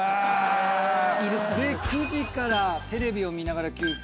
９時からテレビを見ながら休憩。